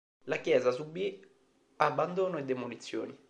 La chiesa subì abbandono e demolizioni.